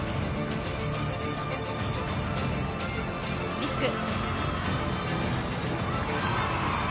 リスク。